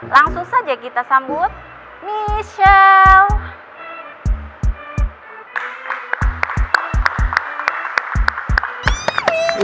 langsung saja kita sambut michel